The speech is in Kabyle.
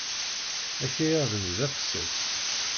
Akayad-nni d afessas.